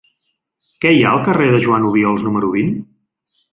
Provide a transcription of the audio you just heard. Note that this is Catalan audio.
Què hi ha al carrer de Joan Obiols número vint?